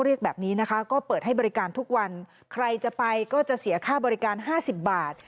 เรียกแบบนี้นะคะก็เปิดให้บริการทุกวันใครจะไปก็จะเสียค่าบริการ๕๐บาท